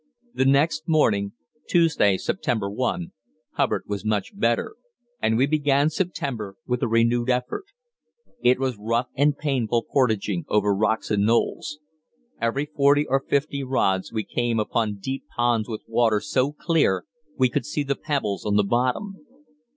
The next morning (Tuesday, September 1) Hubbard was much better, and we began September with a renewed effort. It was rough and painful portaging over rocks and knolls. Every forty or fifty rods we came upon deep ponds with water so clear we could see the pebbles on the bottom.